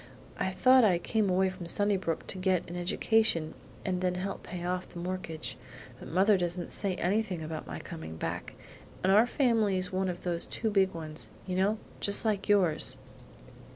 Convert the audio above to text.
I thought I came away from Sunnybrook to get an education and then help pay off the mortgage; but mother doesn't say anything about my coming back, and our family's one of those too big ones, you know, just like yours."